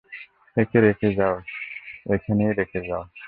একে রেখে যাও, এখানেই রেখে যাও।